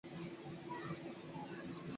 属川滇边务大臣管辖。